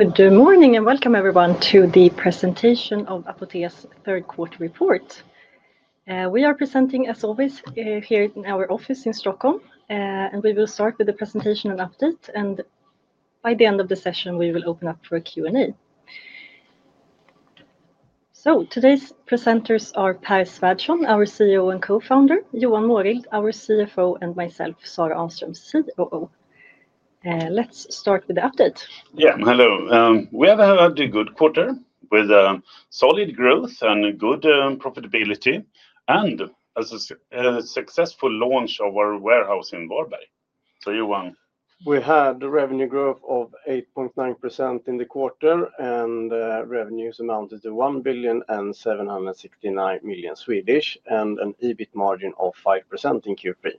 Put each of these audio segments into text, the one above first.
Good morning and welcome everyone to the presentation of Apotea's third quarter report. We are presenting, as always, here in our office in Stockholm, and we will start with the presentation and update, and by the end of the session, we will open up for a Q&A. Today's presenters are Pär Svärdson, our CEO and co-founder, Johan Mårild, our CFO, and myself, Sarah Ahnström, COO. Let's start with the update. Yeah, hello. We have had a good quarter with solid growth and good profitability, and a successful launch of our warehouse in Varberg. So, Johan. We had revenue growth of 8.9% in the quarter, and revenues amounted to 1.769 billion and an EBIT margin of 5% in Q3.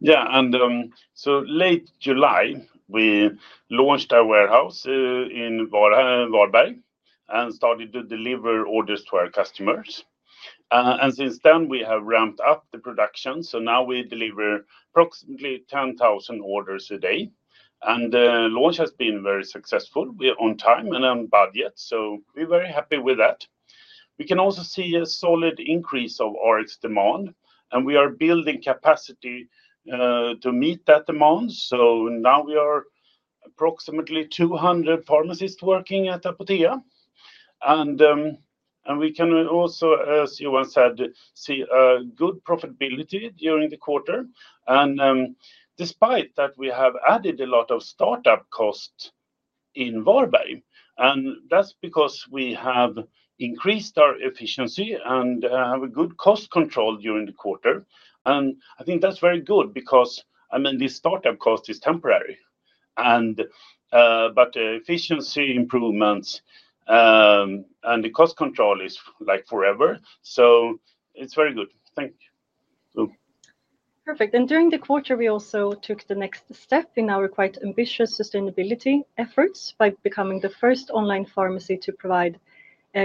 Yeah, in late July, we launched our warehouse in Varberg and started to deliver orders to our customers. Since then, we have ramped up the production, so now we deliver approximately 10,000 orders a day, and the launch has been very successful. We are on time and on budget, so we're very happy with that. We can also see a solid increase of Rx demand, and we are building capacity to meet that demand. Now we are approximately 200 pharmacists working at Apotea. We can also, as Johan said, see good profitability during the quarter. Despite that, we have added a lot of startup costs in Varberg, and that's because we have increased our efficiency and have good cost control during the quarter. I think that's very good because, I mean, the startup cost is temporary, but the efficiency improvements. The cost control is like forever. So it's very good. Thank you. Perfect. During the quarter, we also took the next step in our quite ambitious sustainability efforts by becoming the first online pharmacy to provide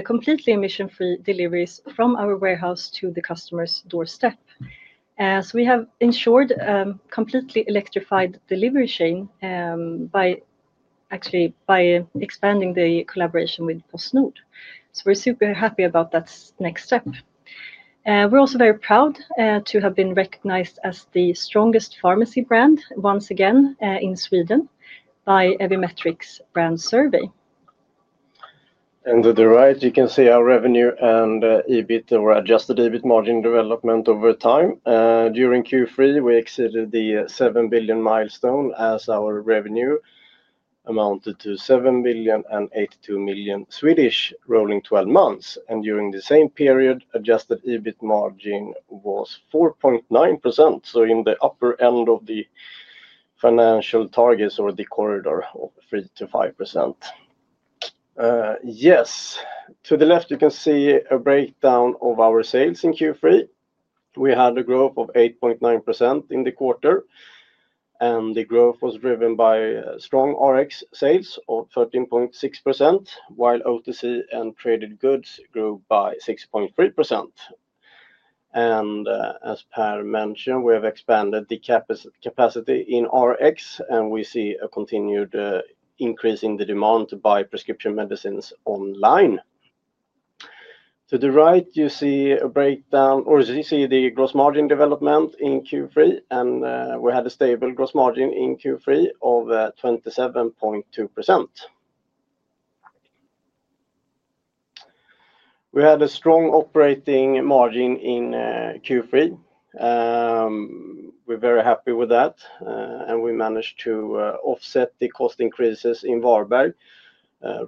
completely emission-free deliveries from our warehouse to the customer's doorstep. We have ensured a completely electrified delivery chain, actually by expanding the collaboration with PostNord. We're super happy about that next step. We're also very proud to have been recognized as the strongest pharmacy brand once again in Sweden by Evimetrix brand survey. To the right, you can see our revenue and EBIT, or adjusted EBIT margin development over time. During Q3, we exceeded the 7 billion milestone as our revenue amounted to 7.082 billion rolling 12 months. During the same period, adjusted EBIT margin was 4.9%, so in the upper end of the financial targets or the corridor of 3%-5%. To the left, you can see a breakdown of our sales in Q3. We had a growth of 8.9% in the quarter. The growth was driven by strong Rx sales of 13.6%, while OTC and traded goods grew by 6.3%. As Pär mentioned, we have expanded the capacity in Rx, and we see a continued increase in the demand to buy prescription medicines online. To the right, you see a breakdown, or you see the gross margin development in Q3, and we had a stable gross margin in Q3 of 27.2%. We had a strong operating margin in Q3. We're very happy with that, and we managed to offset the cost increases in Varberg.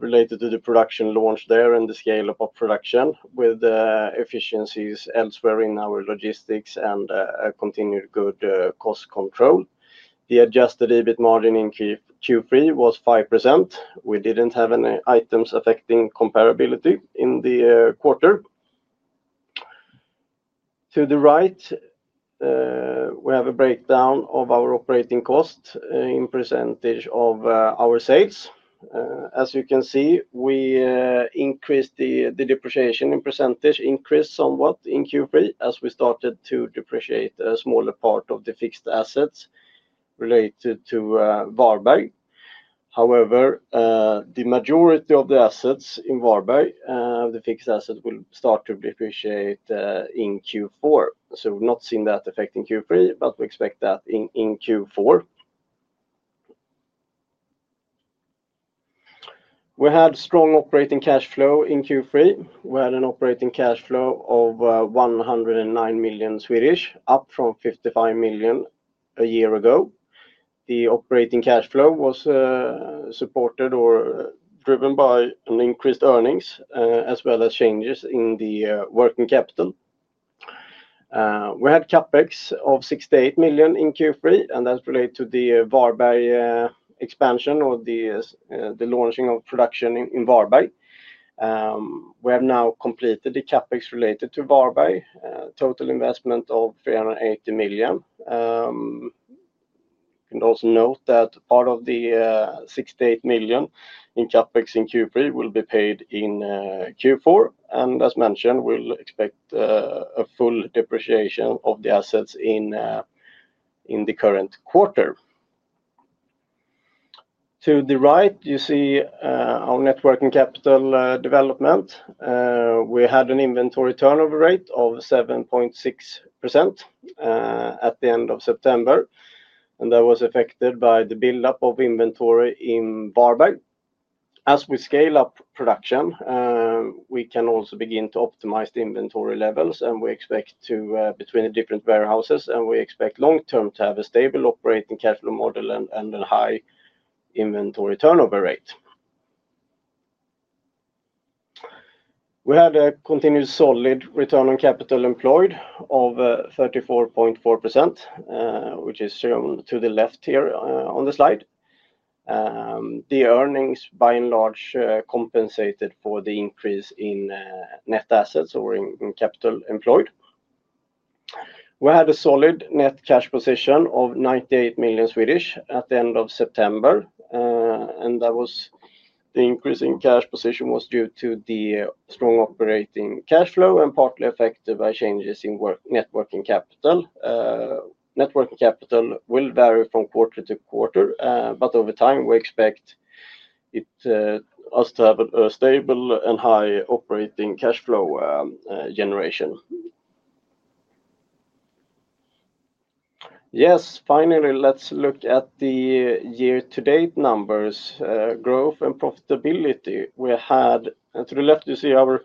Related to the production launch there and the scale of our production with efficiencies elsewhere in our logistics and continued good cost control. The adjusted EBIT margin in Q3 was 5%. We didn't have any items affecting comparability in the quarter. To the right, we have a breakdown of our operating cost in percentage of our sales. As you can see, we increased the depreciation in percentage, increased somewhat in Q3 as we started to depreciate a smaller part of the fixed assets related to Varberg. However. The majority of the assets in Varberg, the fixed assets, will start to depreciate in Q4. We are not seeing that effect in Q3, but we expect that in Q4. We had strong operating cash flow in Q3. We had an operating cash flow of 109 million, up from 55 million a year ago. The operating cash flow was supported or driven by increased earnings as well as changes in the working capital. We had CapEx of 68 million in Q3, and that is related to the Varberg expansion or the launching of production in Varberg. We have now completed the CapEx related to Varberg, total investment of 380 million. You can also note that part of the 68,million in CapEx in Q3 will be paid in Q4. As mentioned, we expect a full depreciation of the assets in the current quarter. To the right, you see our net working capital development. We had an inventory turnover rate of 7.6% at the end of September. That was affected by the buildup of inventory in Varberg as we scale up production. We can also begin to optimize the inventory levels, and we expect to between the different warehouses, and we expect long-term to have a stable operating cash flow model and a high inventory turnover rate. We had a continued solid return on capital employed of 34.4%, which is shown to the left here on the slide. The earnings, by and large, compensated for the increase in net assets or in capital employed. We had a solid net cash position of 98 million at the end of September. The increase in cash position was due to the strong operating cash flow and partly affected by changes in net working capital. Networking capital will vary from quarter-to-quarter, but over time, we expect us to have a stable and high operating cash flow generation. Yes, finally, let's look at the year-to-date numbers, growth, and profitability. We had, to the left, you see our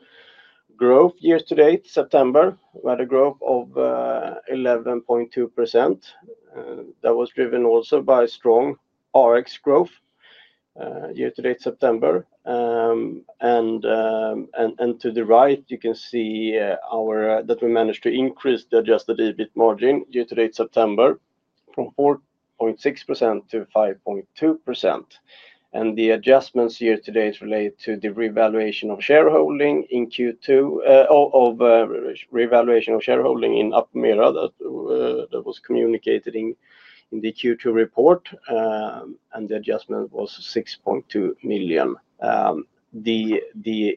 growth year-to-date September. We had a growth of 11.2%. That was driven also by strong Rx growth year-to-date September. To the right, you can see that we managed to increase the adjusted EBIT margin year-to-date September from 4.6% to 5.2%. The adjustments year-to-date relate to the revaluation of shareholding in Q2, of revaluation of shareholding in Apomera. That was communicated in the Q2 report. The adjustment was 6.2 million. The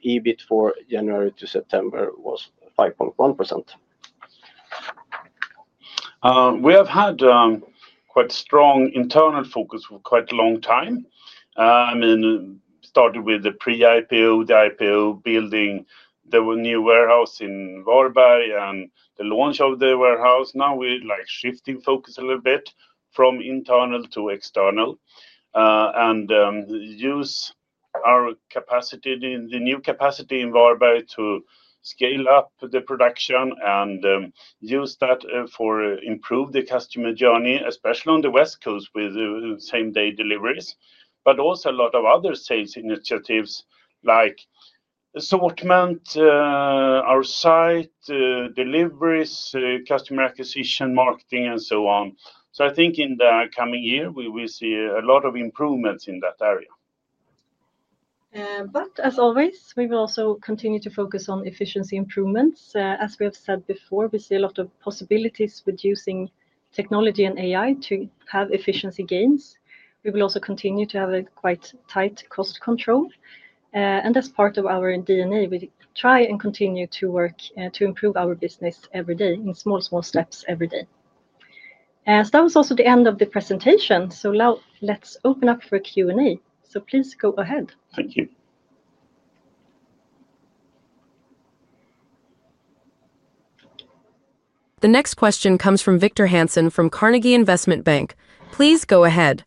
EBIT for January to September was 5.1%. We have had quite strong internal focus for quite a long time. I mean, started with the pre-IPO, the IPO building, there were new warehouses in Varberg, and the launch of the warehouse. Now we're shifting focus a little bit from internal to external. Use our capacity, the new capacity in Varberg, to scale up the production and use that for improving the customer journey, especially on the West Coast with same-day deliveries, but also a lot of other sales initiatives like assortment, our site, deliveries, customer acquisition, marketing, and so on. I think in the coming year, we will see a lot of improvements in that area. As always, we will also continue to focus on efficiency improvements. As we have said before, we see a lot of possibilities with using technology and AI to have efficiency gains. We will also continue to have quite tight cost control. That is part of our D&A. We try and continue to work to improve our business every day in small, small steps every day. That was also the end of the presentation. Now let's open up for Q&A. Please go ahead. Thank you. The next question comes from Victor Hansen from Carnegie Investment Bank. Please go ahead.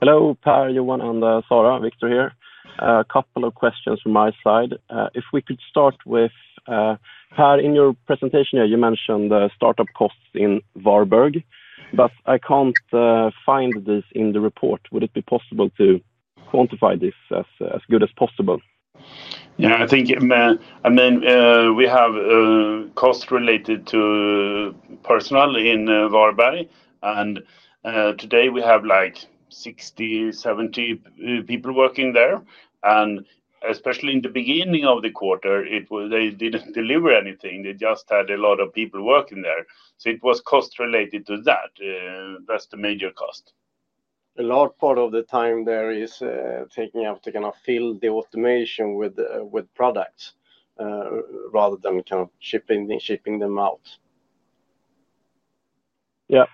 Hello, Pär, Johan, and Sarah. Victor here. A couple of questions from my side. If we could start with Pär, in your presentation here, you mentioned startup costs in Varberg, but I can't find this in the report. Would it be possible to quantify this as good as possible? Yeah, I think, I mean, we have costs related to personnel in Varberg, and today we have like 60-70 people working there. Especially in the beginning of the quarter, they did not deliver anything. They just had a lot of people working there. It was cost related to that. That is the major cost. A large part of the time there is taking up to kind of fill the automation with products, rather than kind of shipping them out. Yeah.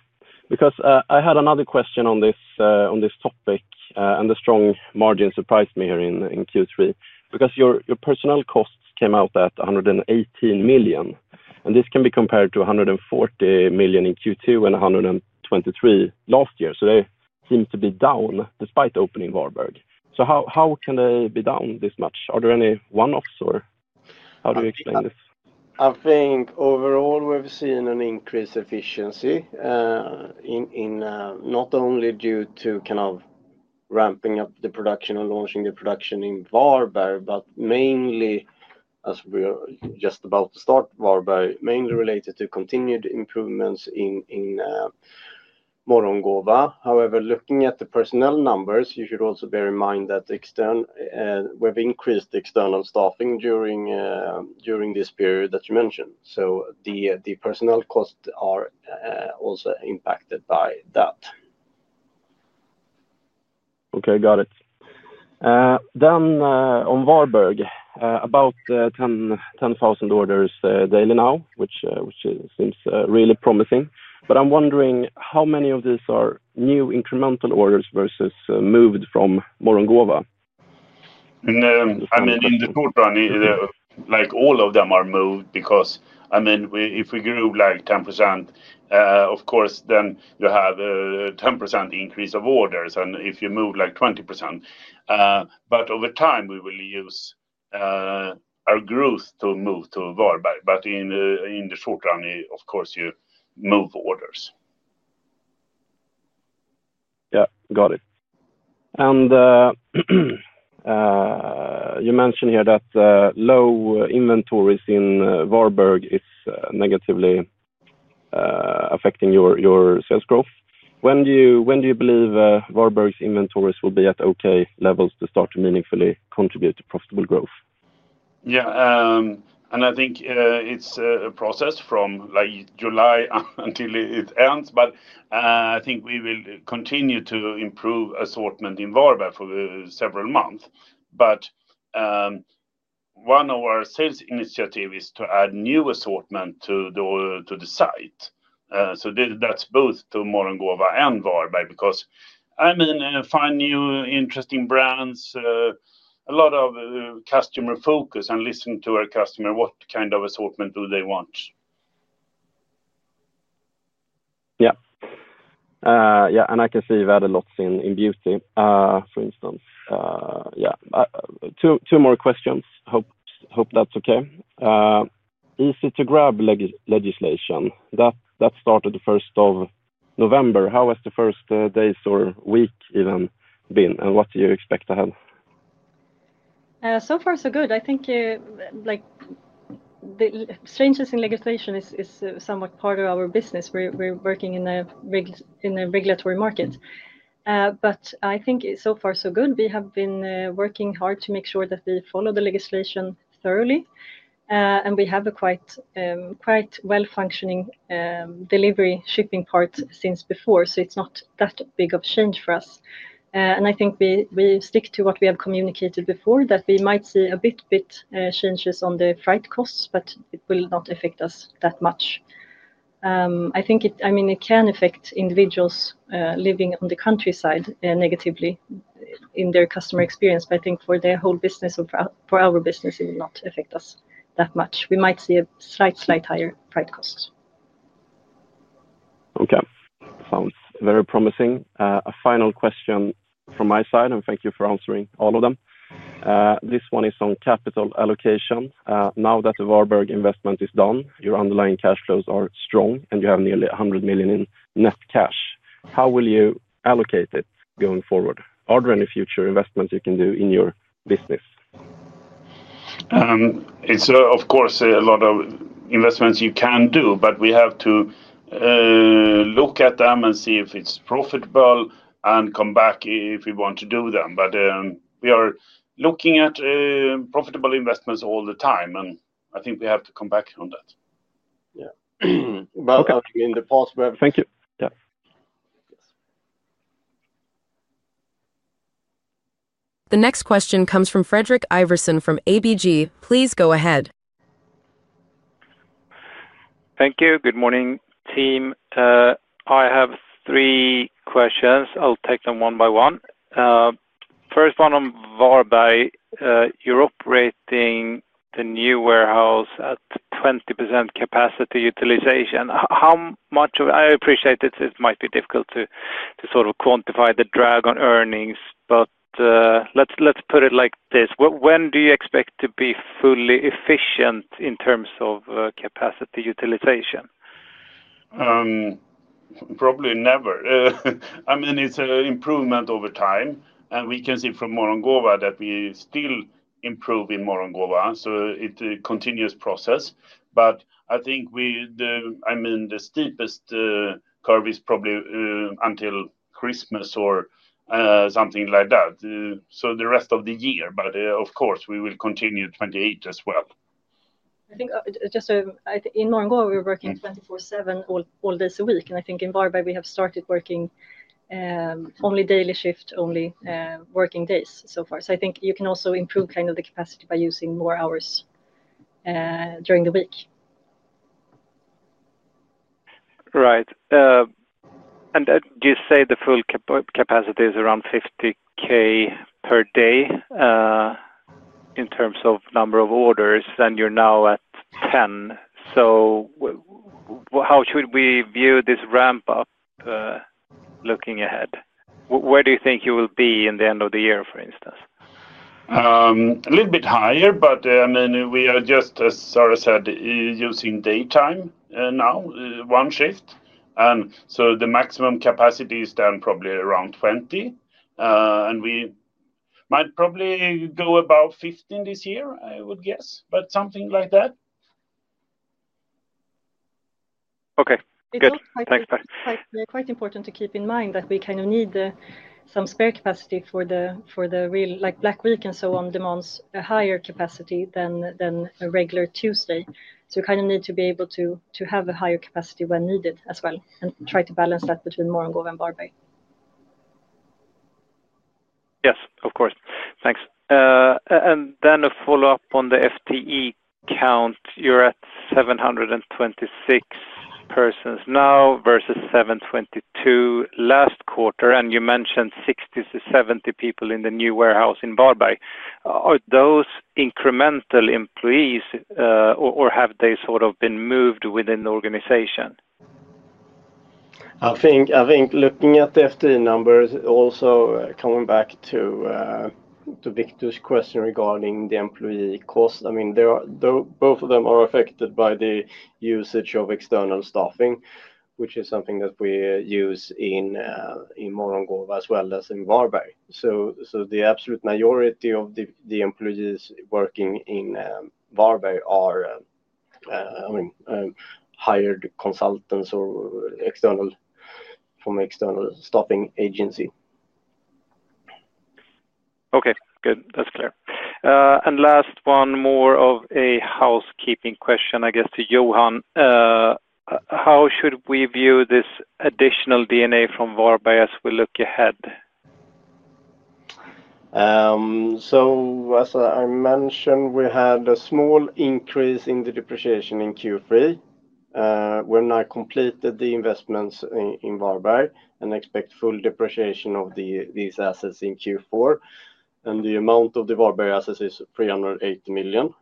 Because I had another question on this topic, and the strong margin surprised me here in Q3. Because your personnel costs came out at 118 million, and this can be compared to 140 million in Q2 and 123 million last year. So they seem to be down despite opening Varberg. How can they be down this much? Are there any one-offs, or how do you explain this? I think overall, we've seen an increase in efficiency. Not only due to kind of ramping up the production and launching the production in Varberg, but mainly, as we're just about to start Varberg, mainly related to continued improvements in Morgongåva. However, looking at the personnel numbers, you should also bear in mind that. We've increased external staffing during this period that you mentioned. So the personnel costs are also impacted by that. Okay, got it. Then on Varberg, about 10,000 orders daily now, which seems really promising. But I'm wondering how many of these are new incremental orders versus moved from Morgongåva? I mean, in the quarter, like all of them are moved because, I mean, if we grew like 10%, of course, then you have a 10% increase of orders and if you move like 20%. Over time, we will use our growth to move to Varberg. In the short run, of course, you move orders. Yeah, got it. You mentioned here that low inventories in Varberg is negatively affecting your sales growth. When do you believe Varberg's inventories will be at okay levels to start to meaningfully contribute to profitable growth? Yeah, and I think it's a process from July until it ends, but I think we will continue to improve assortment in Varberg for several months. One of our sales initiatives is to add new assortment to the site. So that's both to Morgongåva and Varberg because, I mean, find new interesting brands, a lot of customer focus and listening to our customer, what kind of assortment do they want? Yeah. Yeah, and I can see you've added lots in beauty, for instance. Yeah. Two more questions. Hope that's okay. Easy-to-grab legislation. That started the 1st of November. How has the first days or week even been, and what do you expect ahead? So far, so good. I think. The strangeness in legislation is somewhat part of our business. We're working in a regulatory market. I think so far, so good. We have been working hard to make sure that we follow the legislation thoroughly. We have a quite well-functioning delivery shipping part since before, so it is not that big of a change for us. I think we stick to what we have communicated before, that we might see a bit, bit changes on the freight costs, but it will not affect us that much. I think it, I mean, it can affect individuals living on the countryside negatively in their customer experience, but I think for the whole business, for our business, it will not affect us that much. We might see a slight, slight higher freight costs. Okay, sounds very promising. A final question from my side, and thank you for answering all of them. This one is on capital allocation. Now that the Varberg investment is done, your underlying cash flows are strong and you have nearly 100 million in net cash. How will you allocate it going forward? Are there any future investments you can do in your business? It's, of course, a lot of investments you can do, but we have to look at them and see if it's profitable and come back if we want to do them. But we are looking at profitable investments all the time, and I think we have to come back on that. Yeah. In the past. Thank you. Yeah. The next question comes from Fredrik Ivarsson from ABG. Please go ahead. Thank you. Good morning, team. I have three questions. I'll take them one by one. First one on Varberg. You're operating the new warehouse at 20% capacity utilization. How much of it? I appreciate it. It might be difficult to sort of quantify the drag on earnings, but. Let's put it like this. When do you expect to be fully efficient in terms of capacity utilization? Probably never. I mean, it's an improvement over time, and we can see from Morgongåva that we still improve in Morgongåva. It is a continuous process. I think the steepest curve is probably until Christmas or something like that, so the rest of the year. Of course, we will continue 2028 as well. I think just in Morgongåva, we're working 24/7, all days a week. I think in Varberg, we have started working only daily shift, only working days so far. I think you can also improve kind of the capacity by using more hours during the week. Right. You say the full capacity is around 50,000 per day. In terms of number of orders, and you're now at 10,000. So. How should we view this ramp-up. Looking ahead? Where do you think you will be in the end of the year, for instance? A little bit higher, but I mean, we are just, as Sarah said, using daytime now, one shift. And so the maximum capacity is then probably around 20,000. And we might probably go about 15,000 this year, I would guess, but something like that. Okay, good. Thanks, Pär. It's quite important to keep in mind that we kind of need some spare capacity for the. Black week and so on demands a higher capacity than a regular Tuesday. So you kind of need to be able to have a higher capacity when needed as well and try to balance that between Morgongåva and Varberg. Yes, of course. Thanks. Then a follow-up on the FTE count. You're at 726 persons now versus 722 last quarter, and you mentioned 60-70 people in the new warehouse in Varberg. Are those incremental employees or have they sort of been moved within the organization? I think looking at the FTE numbers, also coming back to Victor's question regarding the employee cost, I mean, both of them are affected by the usage of external staffing, which is something that we use in Morgongåva as well as in Varberg. The absolute majority of the employees working in Varberg are hired consultants or from an external staffing agency. Okay, good. That's clear. Last one, more of a housekeeping question, I guess, to Johan. How should we view this additional D&A from Varberg as we look ahead? As I mentioned, we had a small increase in the depreciation in Q3. We've now completed the investments in Varberg and expect full depreciation of these assets in Q4. The amount of the Varberg assets is 380 million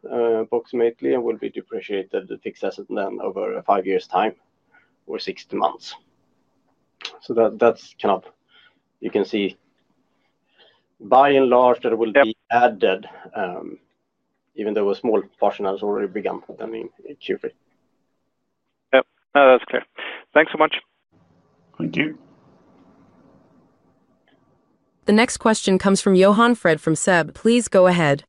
approximately and will be depreciated, the fixed assets, then over five years' time or 60 months. That's kind of, you can see. By and large, there will be added. Even though a small portion has already begun in Q3. Yeah, that's clear. Thanks so much. Thank you. The next question comes from Johan Fred from SEB. Please go ahead.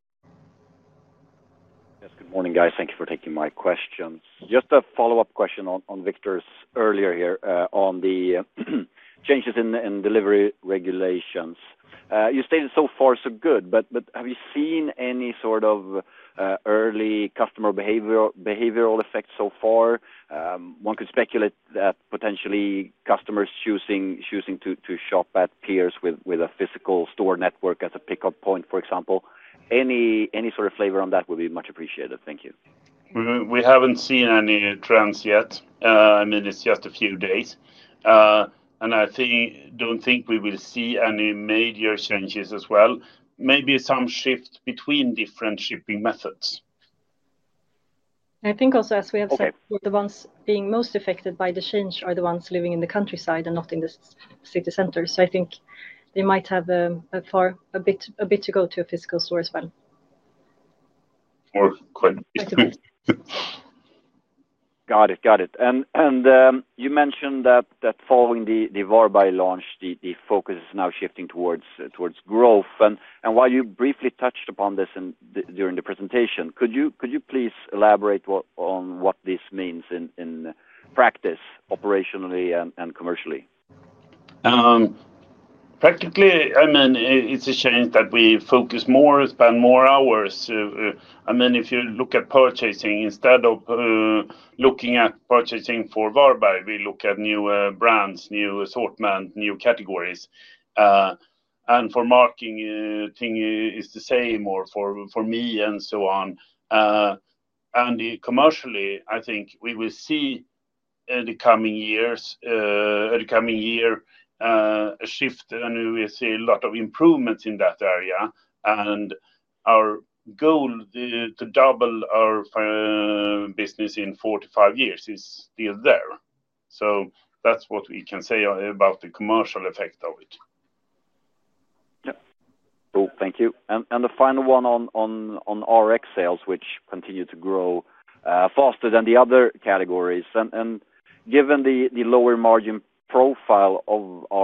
Yes, good morning, guys. Thank you for taking my questions. Just a follow-up question on Victor's earlier here on the changes in delivery regulations. You stated so far so good, but have you seen any sort of early customer behavioral effects so far? One could speculate that potentially customers choosing to shop at peers with a physical store network as a pickup point, for example. Any sort of flavor on that would be much appreciated. Thank you. We haven't seen any trends yet. I mean, it's just a few days. I don't think we will see any major changes as well. Maybe some shift between different shipping methods. I think also, as we have said, the ones being most affected by the change are the ones living in the countryside and not in the city center. I think they might have a bit to go to a physical store as well. Or quite a bit. Got it. Got it. You mentioned that following the Varberg launch, the focus is now shifting towards growth. While you briefly touched upon this during the presentation, could you please elaborate on what this means in practice, operationally and commercially? Practically, I mean, it's a change that we focus more, spend more hours. I mean, if you look at purchasing, instead of looking at purchasing for Varberg, we look at new brands, new assortment, new categories. For marketing, thing is the same, or for me and so on. Commercially, I think we will see the coming years a shift, and we see a lot of improvements in that area. Our goal to double our business in four to five years is still there. That's what we can say about the commercial effect of it. Yeah. Cool. Thank you. The final one on Rx sales, which continue to grow faster than the other categories. Given the lower margin profile of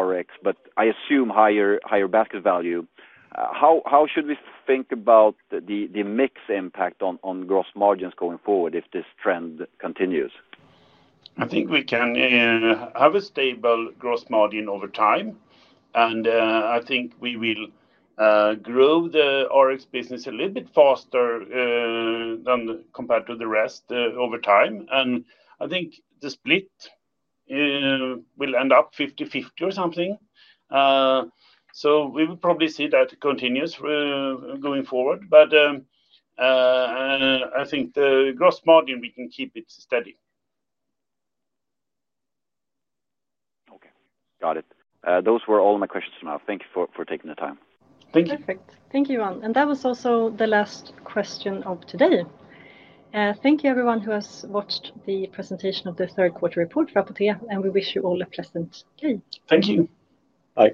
Rx, but I assume higher basket value, how should we think about the mixed impact on gross margins going forward if this trend continues? I think we can have a stable gross margin over time. I think we will grow the Rx business a little bit faster than compared to the rest over time. I think the split will end up 50/50 or something. We will probably see that continues going forward. I think the gross margin, we can keep it steady. Okay. Got it. Those were all my questions for now. Thank you for taking the time. Thank you. Perfect. Thank you, Johan. That was also the last question of today. Thank you, everyone who has watched the presentation of the third quarter report for Apotea, and we wish you all a pleasant day. Thank you. Bye.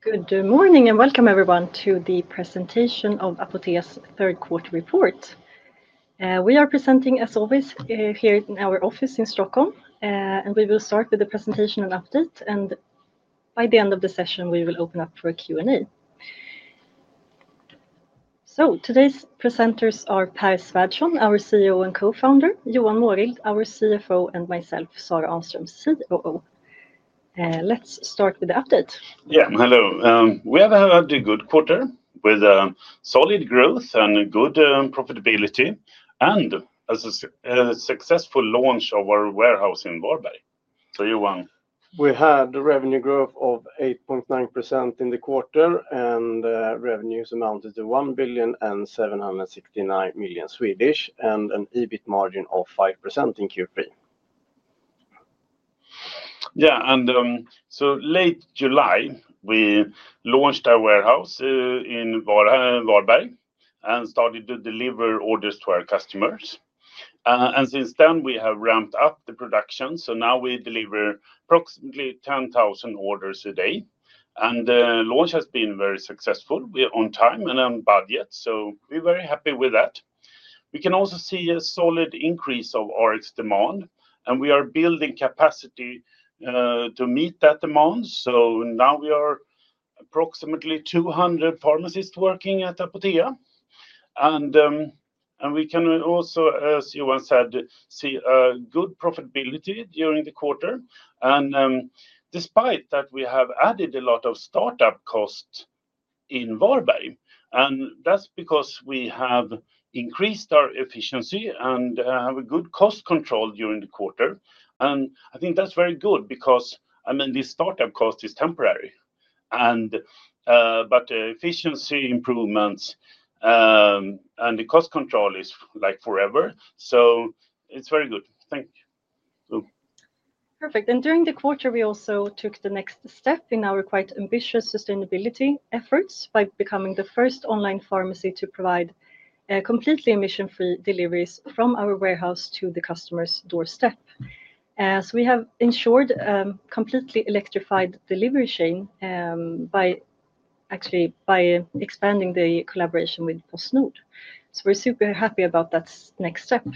Good morning and welcome everyone to the presentation of Apotea's third quarter report. We are presenting, as always, here in our office in Stockholm. We will start with the presentation and update. By the end of the session, we will open up for a Q&A. Today's presenters are Pär Svärdson, our CEO and co-founder, Johan Mårild, our CFO, and myself, Sarah Ahnström, COO. Let's start with the update. Yeah, hello. We have had a good quarter with solid growth and good profitability and a successful launch of our warehouse in Varberg. Johan. We had revenue growth of 8.9% in the quarter and revenues amounted to 1.769 billion and an EBIT margin of 5% in Q3. Yeah, in late July, we launched our warehouse in Varberg and started to deliver orders to our customers. Since then, we have ramped up the production. Now we deliver approximately 10,000 orders a day. The launch has been very successful, on time and on budget. We're very happy with that. We can also see a solid increase of Rx demand. We are building capacity to meet that demand. Now we are approximately 200 pharmacists working at Apotea. As Johan said, we can also see good profitability during the quarter. Despite that, we have added a lot of startup cost in Varberg. That is because we have increased our efficiency and have good cost control during the quarter. I think that is very good because, I mean, the startup cost is temporary. The efficiency improvements and the cost control are like forever. It is very good. Thank you. Perfect. During the quarter, we also took the next step in our quite ambitious sustainability efforts by becoming the first online pharmacy to provide completely emission-free deliveries from our warehouse to the customer's doorstep. We have ensured a completely electrified delivery chain, actually by expanding the collaboration with PostNord. We are super happy about that next step.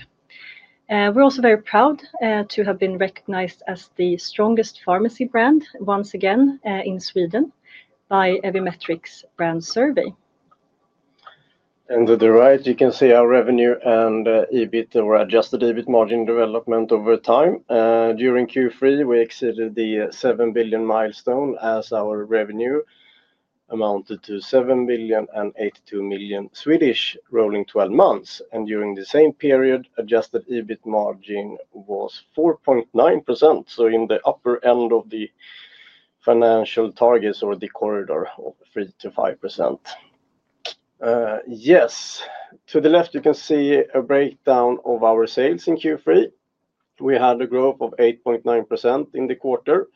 We are also very proud to have been recognized as the strongest pharmacy brand once again in Sweden by Evimetrix brand survey. To the right, you can see our revenue and EBIT, or adjusted EBIT margin development over time. During Q3, we exceeded the 7 billion milestone as our revenue. Amounted to 7.082 billion rolling 12 months. During the same period, adjusted EBIT margin was 4.9%. In the upper end of the financial targets or the corridor of 3%-5%. Yes. To the left, you can see a breakdown of our sales in Q3. We had a growth of 8.9% in the quarter.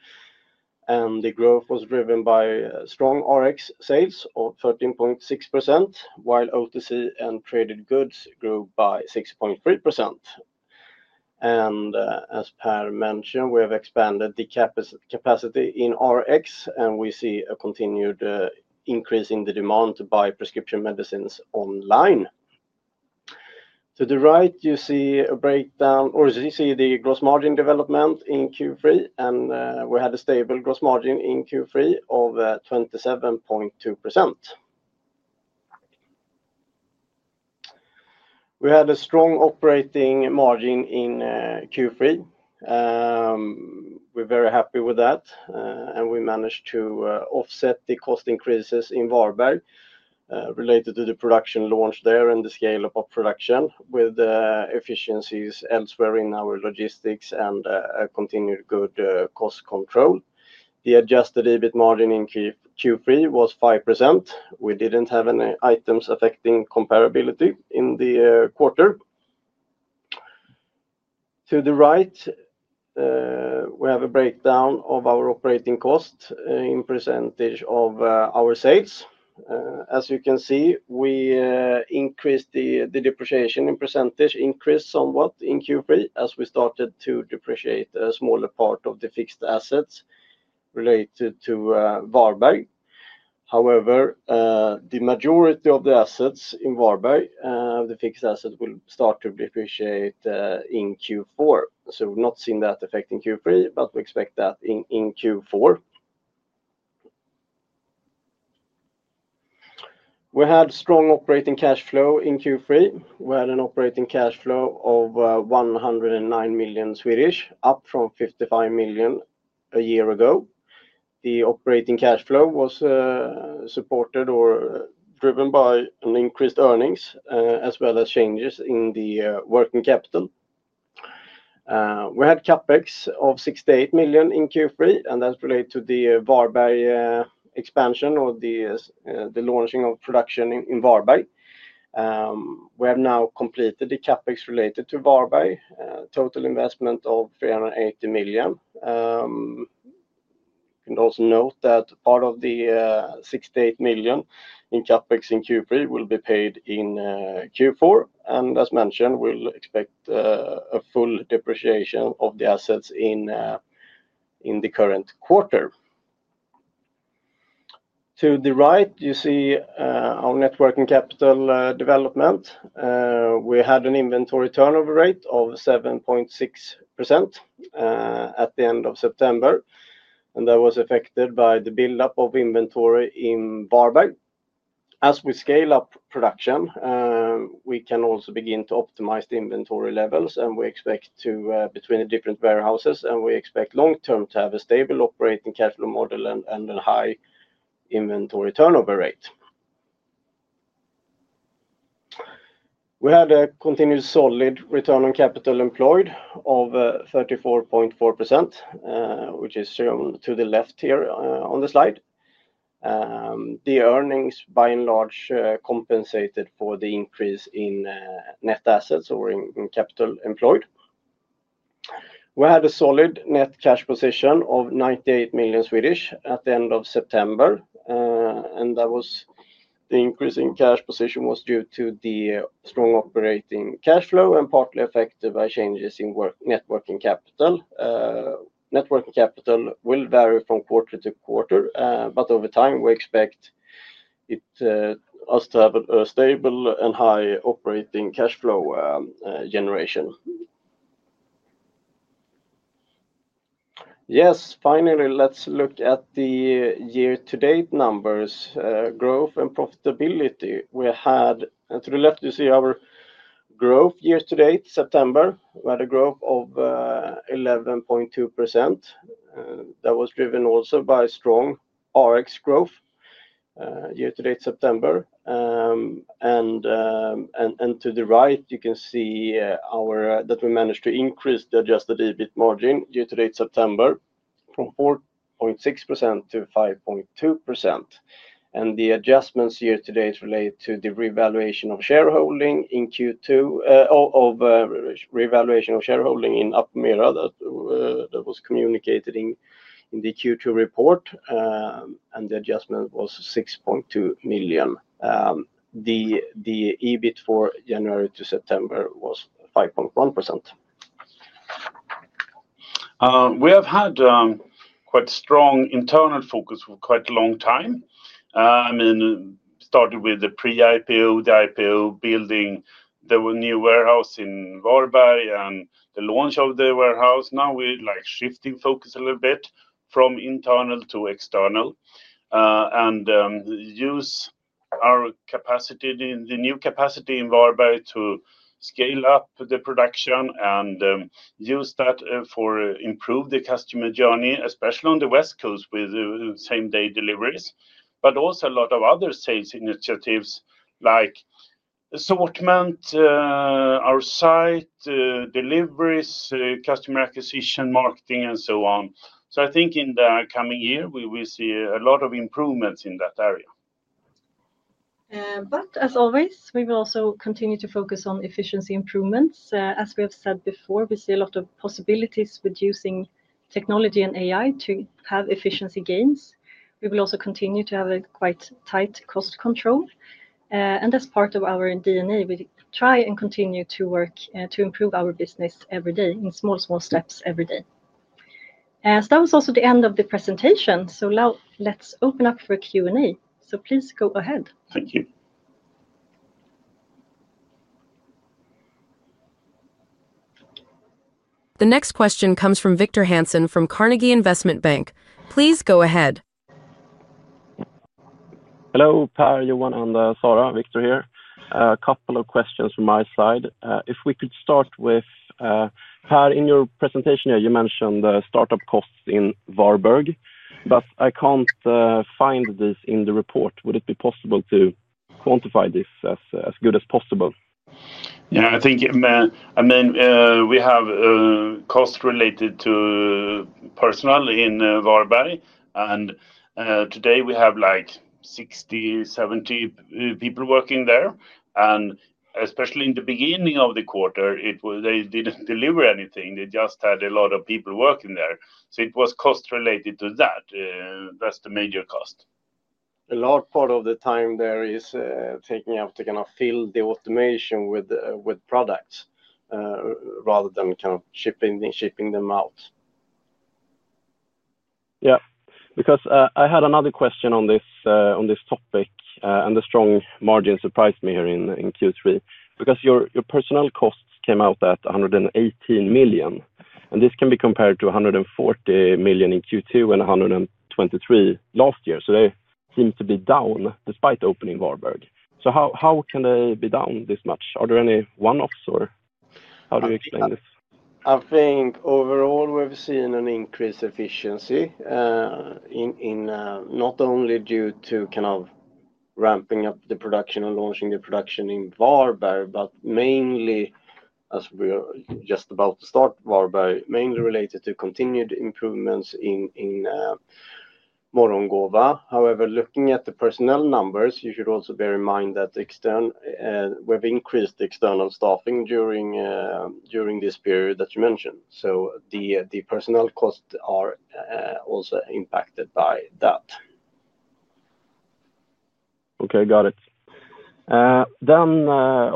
The growth was driven by strong Rx sales of 13.6%, while OTC and traded goods grew by 6.3%. As Pär mentioned, we have expanded the capacity in Rx, and we see a continued increase in the demand to buy prescription medicines online. To the right, you see a breakdown, or you see the gross margin development in Q3. We had a stable gross margin in Q3 of 27.2%. We had a strong operating margin in Q3. We're very happy with that. We managed to offset the cost increases in Varberg related to the production launch there and the scale-up of production with efficiencies elsewhere in our logistics and continued good cost control. The adjusted EBIT margin in Q3 was 5%. We did not have any items affecting comparability in the quarter. To the right, we have a breakdown of our operating cost in percentage of our sales. As you can see, we increased the depreciation in percentage, increased somewhat in Q3 as we started to depreciate a smaller part of the fixed assets related to Varberg. However, the majority of the assets in Varberg, the fixed assets, will start to depreciate in Q4. We are not seeing that effect in Q3, but we expect that in Q4. We had strong operating cash flow in Q3. We had an operating cash flow of 109 million, up from 55 million a year ago. The operating cash flow was supported or driven by increased earnings as well as changes in the working capital. We had CapEx of 68 million in Q3, and that is related to the Varberg expansion or the launching of production in Varberg. We have now completed the CapEx related to Varberg, total investment of 380 million. You can also note that part of the 68 million in CapEx in Q3 will be paid in Q4. As mentioned, we will expect a full depreciation of the assets in the current quarter. To the right, you see our net working capital development. We had an inventory turnover rate of 7.6% at the end of September, and that was affected by the build-up of inventory in Varberg. As we scale up production, we can also begin to optimize the inventory levels, and we expect to, between the different warehouses, and we expect long-term to have a stable operating capital model and a high inventory turnover rate. We had a continued solid return on capital employed of 34.4%, which is shown to the left here on the slide. The earnings, by and large, compensated for the increase in net assets or in capital employed. We had a solid net cash position of 98 million at the end of September. That was, the increase in cash position was due to the strong operating cash flow and partly affected by changes in net working capital. Net working capital will vary from quarter-to-quarter, but over time, we expect us to have a stable and high operating cash flow generation. Yes, finally, let's look at the year-to-date numbers, growth, and profitability. To the left, you see our growth year-to-date September. We had a growth of 11.2%. That was driven also by strong Rx growth year-to-date September. To the right, you can see that we managed to increase the adjusted EBIT margin year-to-date September from 4.6% to 5.2%. The adjustments year-to-date relate to the revaluation of shareholding in Q2, of revaluation of shareholding in Apomera that was communicated in the Q2 report. The adjustment was 6.2 million. The EBIT for January to September was 5.1%. We have had quite strong internal focus for quite a long time. I mean, started with the pre-IPO, the IPO building, there were new warehouses in Varberg, and the launch of the warehouse. Now we're shifting focus a little bit from internal to external. Use. Our capacity, the new capacity in Varberg, to scale up the production and use that for improving the customer journey, especially on the West Coast with same-day deliveries, but also a lot of other sales initiatives like assortment, our site, deliveries, customer acquisition, marketing, and so on. I think in the coming year, we will see a lot of improvements in that area. As always, we will also continue to focus on efficiency improvements. As we have said before, we see a lot of possibilities with using technology and AI to have efficiency gains. We will also continue to have quite tight cost control. That is part of our D&A. We try and continue to work to improve our business every day in small, small steps every day. That was also the end of the presentation. Now let's open up for a Q&A. Please go ahead. Thank you. The next question comes from Victor Hansen from Carnegie Investment Bank. Please go ahead. Hello, Pär, Johan, and Sarah. Victor here. A couple of questions from my side. If we could start with Per, in your presentation here, you mentioned startup costs in Varberg, but I cannot find this in the report. Would it be possible to quantify this as good as possible? Yeah, I think, I mean, we have costs related to personnel in Varberg. Today we have like 60-70 people working there. Especially in the beginning of the quarter, they did not deliver anything. They just had a lot of people working there, so it was cost related to that. That is the major cost. A large part of the time there is taking up to kind of fill the automation with products rather than kind of shipping them out. Yeah. Because I had another question on this topic, and the strong margin surprised me here in Q3. Because your personnel costs came out at 118 million. And this can be compared to 140 million in Q2 and 123 million last year. They seem to be down despite opening Varberg. How can they be down this much? Are there any one-offs or how do you explain this? I think overall we've seen an increase in efficiency. Not only due to kind of ramping up the production and launching the production in Varberg, but mainly, as we're just about to start Varberg, mainly related to continued improvements in Morgongåva. However, looking at the personnel numbers, you should also bear in mind that we've increased external staffing during this period that you mentioned. The personnel costs are also impacted by that. Okay, got it. Then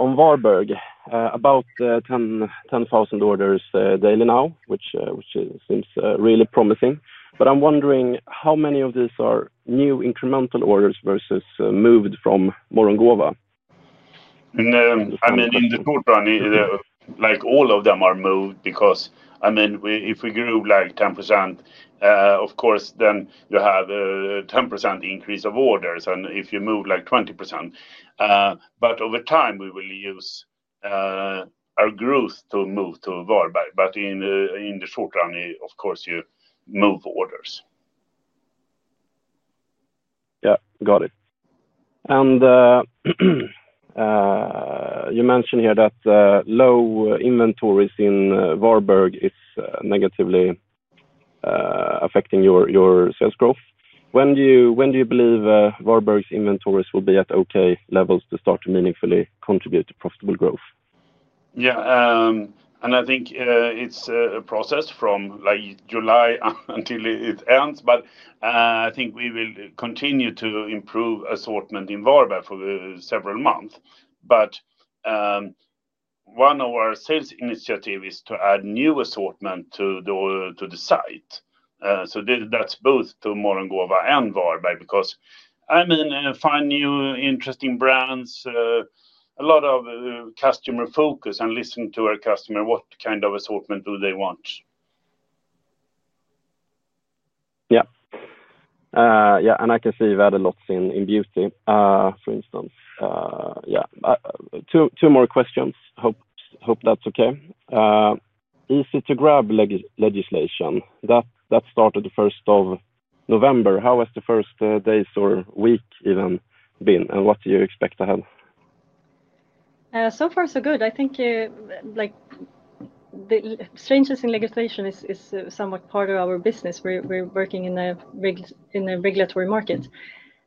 on Varberg, about. 10,000 orders daily now, which seems really promising. I am wondering how many of these are new incremental orders versus moved from Morgongåva? I mean, in the quarter, like all of them are moved because, I mean, if we grew like 10%. Of course, then you have a 10% increase of orders and if you move like 20%. Over time, we will use our growth to move to Varberg. In the short run, of course, you move orders. Yeah, got it. You mentioned here that low inventories in Varberg are negatively affecting your sales growth. When do you believe Varberg's inventories will be at okay levels to start to meaningfully contribute to profitable growth? Yeah. I think it is a process from July until it ends, but I think we will continue to improve assortment in Varberg for several months. But. One of our sales initiatives is to add new assortment to the site. So that's both to Morgongåva and Varberg because, I mean, find new interesting brands, a lot of customer focus and listening to our customer, what kind of assortment do they want? Yeah. Yeah. And I can see you've added lots in beauty, for instance. Yeah. Two more questions. Hope that's okay. Easy-to-grab legislation. That started the 1st of November. How has the first days or week even been, and what do you expect ahead? So far, so good. I think. The strangeness in legislation is somewhat part of our business. We're working in a regulatory market.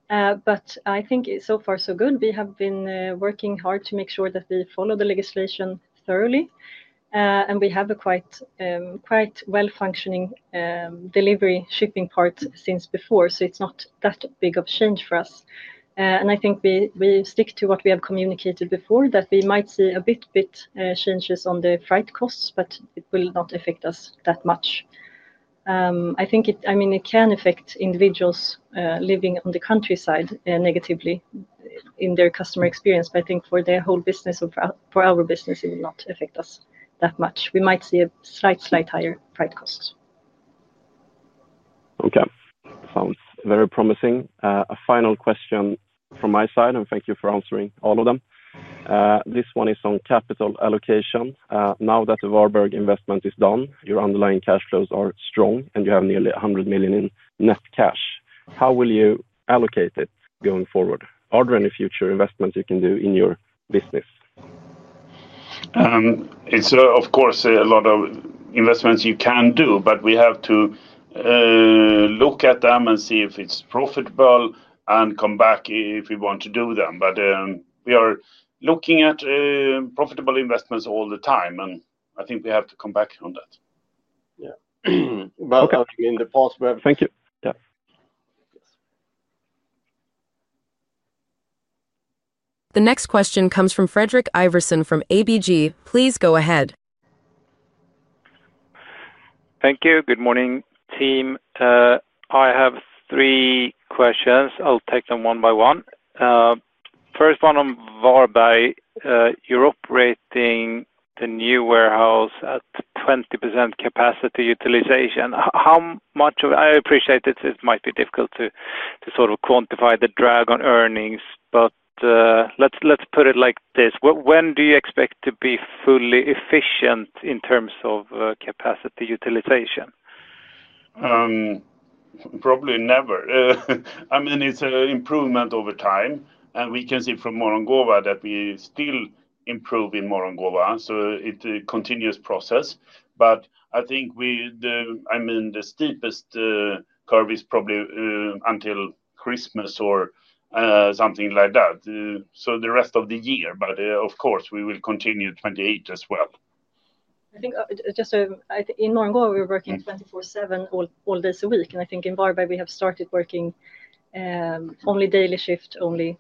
I think so far, so good. We have been working hard to make sure that we follow the legislation thoroughly. And we have a quite. well-functioning delivery shipping part since before, so it's not that big of a change for us. I think we stick to what we have communicated before, that we might see a bit, bit changes on the freight costs, but it will not affect us that much. I think, I mean, it can affect individuals living on the countryside negatively in their customer experience, but I think for their whole business, for our business, it will not affect us that much. We might see a slight, slight higher freight costs. Okay. Sounds very promising. A final question from my side, and thank you for answering all of them. This one is on capital allocation. Now that the Varberg investment is done, your underlying cash flows are strong, and you have nearly 100 million in net cash. How will you allocate it going forward? Are there any future investments you can do in your business? It's, of course, a lot of investments you can do, but we have to look at them and see if it's profitable and come back if we want to do them. But we are looking at profitable investments all the time, and I think we have to come back on that. Yeah. I mean, in the past. Thank you. Yeah. The next question comes from Fredrik Ivarsson from ABG. Please go ahead. Thank you. Good morning, team. I have three questions. I'll take them one by one. First one on Varberg. You're operating the new warehouse at 20% capacity utilization. How much of it? I appreciate it might be difficult to sort of quantify the drag on earnings, but let's put it like this. When do you expect to be fully efficient in terms of capacity utilization? Probably never. I mean, it's an improvement over time. We can see from Morgongåva that we still improve in Morgongåva, so it's a continuous process. I think the steepest curve is probably until Christmas or something like that, so the rest of the year. Of course, we will continue 2028 as well. I think just in Morgongåva, we're working 24/7, all days a week. I think in Varberg, we have started working only daily shift, only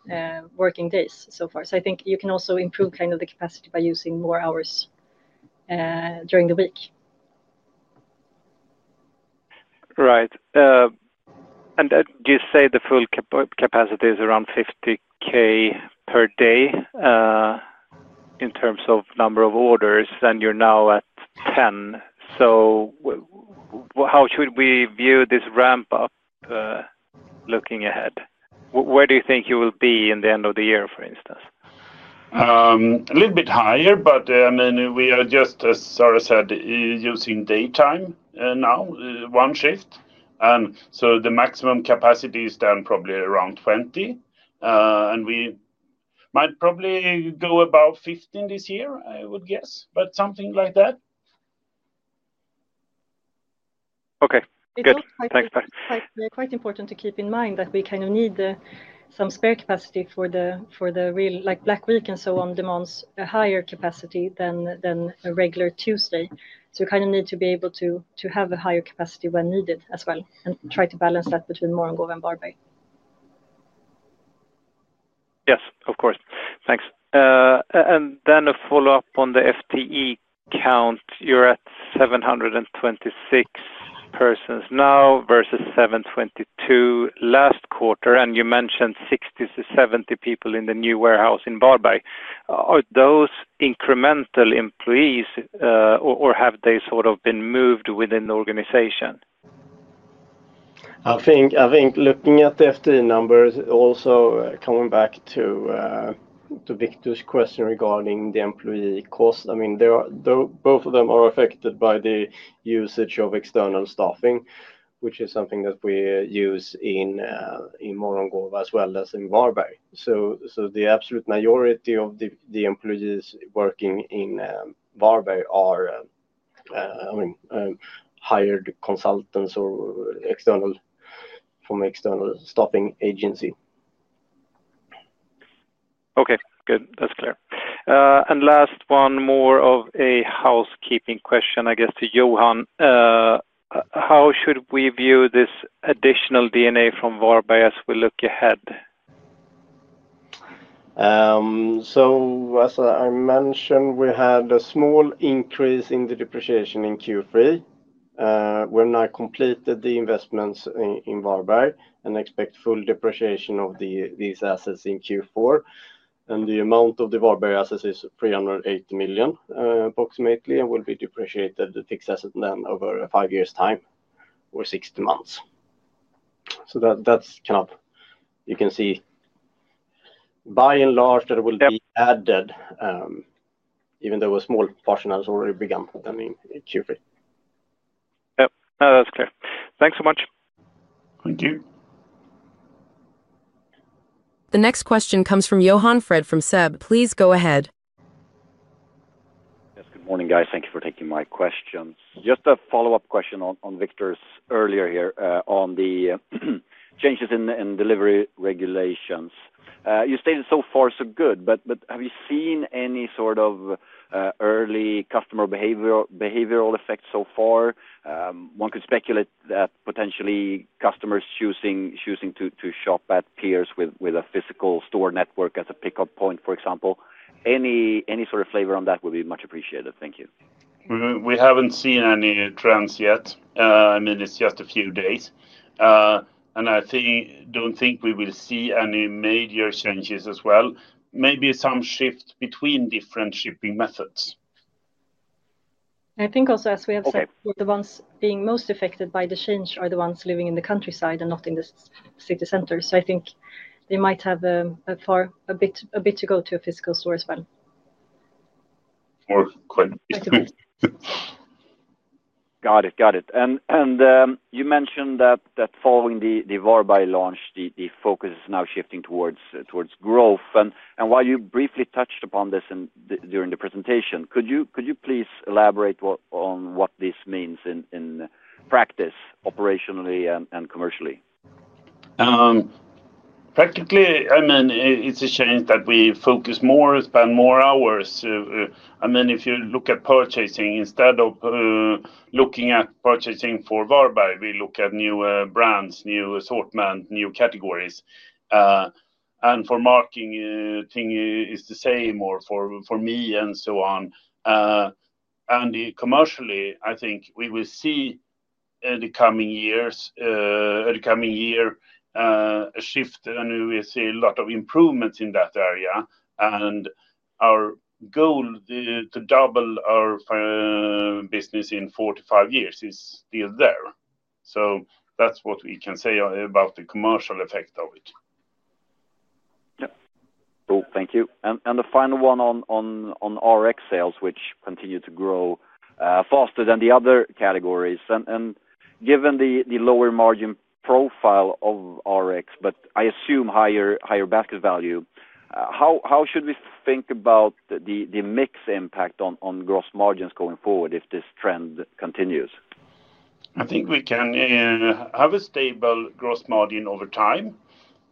working days so far. I think you can also improve kind of the capacity by using more hours during the week. Right. You say the full capacity is around 50,000 per day in terms of number of orders, and you're now at 10,000. How should we view this ramp-up looking ahead? Where do you think you will be in the end of the year, for instance? A little bit higher, but I mean, we are just, as Sarah said, using daytime now, one shift. The maximum capacity is then probably around 20,000. We might probably go about 15,000 this year, I would guess, but something like that. Okay. Good. Thanks, Pär. It is quite important to keep in mind that we kind of need some spare capacity for the Black week and so on demands a higher capacity than a regular Tuesday. You kind of need to be able to have a higher capacity when needed as well and try to balance that between Morgongåva and Varberg. Yes, of course. Thanks. A follow-up on the FTE count. You're at 726 persons now versus 722 last quarter, and you mentioned 60-70 people in the new warehouse in Varberg. Are those incremental employees, or have they sort of been moved within the organization? I think looking at the FTE numbers, also coming back to Victor's question regarding the employee cost, I mean, both of them are affected by the usage of external staffing, which is something that we use in Morgongåva as well as in Varberg. The absolute majority of the employees working in Varberg are hired consultants or from an external staffing agency. Okay. Good. That's clear. Last one, more of a housekeeping question, I guess, to Johan. How should we view this additional D&A from Varberg as we look ahead? As I mentioned, we had a small increase in the depreciation in Q3. We've now completed the investments in Varberg and expect full depreciation of these assets in Q4. The amount of the Varberg assets is 380 million approximately and will be depreciated, fixed assets, then over five years' time or 60 months. That is kind of, you can see. By and large, that will be added. Even though a small portion has already begun in Q3. Yeah. No, that's clear. Thanks so much. Thank you. The next question comes from Johan Fred from SEB. Please go ahead. Yes. Good morning, guys. Thank you for taking my questions. Just a follow-up question on Victor's earlier here on the changes in delivery regulations. You stated so far so good, but have you seen any sort of early customer behavioral effects so far? One could speculate that potentially customers choosing to shop at peers with a physical store network as a pickup point, for example. Any sort of flavor on that would be much appreciated. Thank you. We haven't seen any trends yet. I mean, it's just a few days. I don't think we will see any major changes as well. Maybe some shift between different shipping methods. I think also, as we have said, the ones being most affected by the change are the ones living in the countryside and not in the city center. I think they might have a bit to go to a physical store as well. Or quite a few. Got it. Got it. You mentioned that following the Varberg launch, the focus is now shifting towards growth. While you briefly touched upon this during the presentation, could you please elaborate on what this means in practice, operationally and commercially? Practically, I mean, it's a change that we focus more, spend more hours. I mean, if you look at purchasing, instead of looking at purchasing for Varberg, we look at new brands, new assortment, new categories. For marketing, thing is the same, or for me and so on. Commercially, I think we will see the coming years a shift, and we see a lot of improvements in that area. Our goal to double our business in four to five years is still there. That's what we can say about the commercial effect of it. Yeah. Cool. Thank you. The final one on Rx sales, which continue to grow faster than the other categories. Given the lower margin profile of Rx, but I assume higher basket value, how should we think about the mixed impact on gross margins going forward if this trend continues? I think we can have a stable gross margin over time.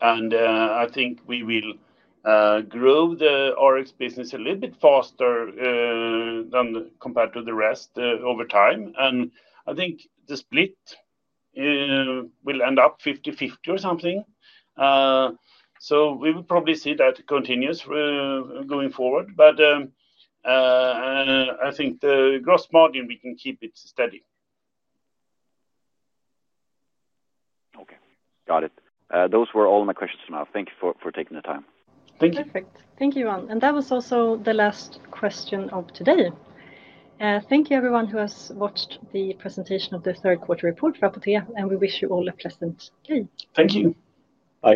I think we will grow the Rx business a little bit faster than compared to the rest over time. I think the split will end up 50/50 or something. We will probably see that continues going forward. I think the gross margin, we can keep it steady. Okay. Got it. Those were all my questions for now. Thank you for taking the time. Thank you. Perfect. Thank you, Johan. That was also the last question of today. Thank you, everyone who has watched the presentation of the third quarter report for Apotea, and we wish you all a pleasant day. Thank you. Bye.